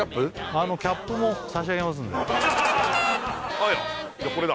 あのキャップも差し上げますのでこれだ